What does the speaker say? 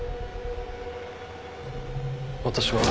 私は。